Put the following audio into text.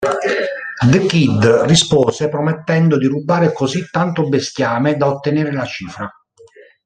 The Kid rispose promettendo di rubare così tanto bestiame da ottenere la cifra.